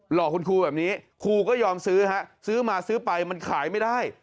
หลอกคุณครูแบบนี้ครูก็ยอมซื้อฮะซื้อมาซื้อไปมันขายไม่ได้